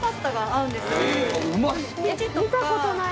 見たことない！